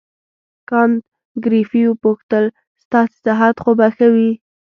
کانت ګریفي وپوښتل ستاسې صحت خو به ښه وي.